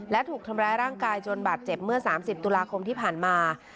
และถูกทำร้ายร่างกายจนบาดเจ็บเมื่อ๓๐ตุลาคมที่ผ่านมา